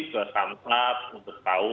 ke sampah untuk tahu